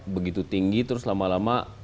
begitu tinggi terus lama lama